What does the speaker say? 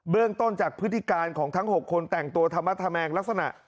เรื่องต้นจากพฤติการของทั้ง๖คนแต่งตัวธรรมธแมงลักษณะ